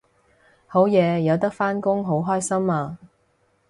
好嘢有得返工好開心啊！